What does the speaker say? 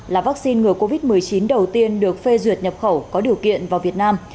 là vaccine ngừa covid một mươi chín đầu tiên được phê duyệt nhập khẩu có điều kiện vào việt nam